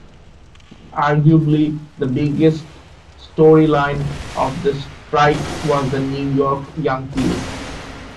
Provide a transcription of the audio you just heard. Arguably, the biggest storyline of the strike was the New York Yankees.